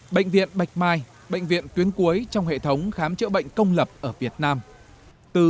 bệnh viện bạch mai bệnh viện tuyến cuối trong hệ thống khám chữa bệnh công lập ở việt nam